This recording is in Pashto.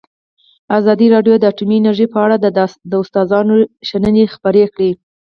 ازادي راډیو د اټومي انرژي په اړه د استادانو شننې خپرې کړي.